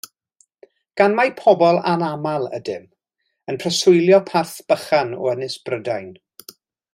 Gan mai pobl anaml ydym, yn preswylio parth bychan o Ynys Brydain.